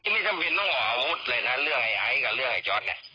ไม่จำเป็นต้องออกอาวุธเลยนะเรื่องไอ้ไอซ์กับเรื่องไอ้จอร์ดเนี่ย